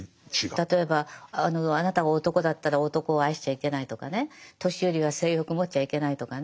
例えばあなたが男だったら男を愛しちゃいけないとかね年寄りは性欲持っちゃいけないとかね